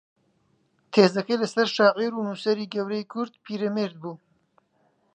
تێزەکەی لەسەر شاعیر و نووسەری گەورەی کورد پیرەمێرد بووە